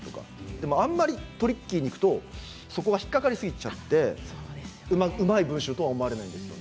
でもあまりトリッキーにいくとそこは引っかかりすぎちゃってうまい文章とは思われないです。